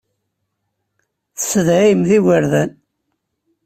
Tessedhayemt igerdan.